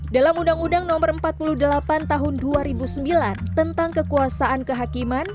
dalam undang undang no empat puluh delapan tahun dua ribu sembilan tentang kekuasaan kehakiman